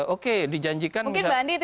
oke dijanjikan misalnya